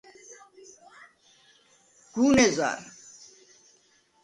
“გუნ ეზარ”.